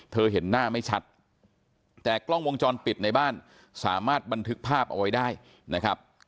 เห็นหน้าไม่ชัดแต่กล้องวงจรปิดในบ้านสามารถบันทึกภาพเอาไว้ได้นะครับ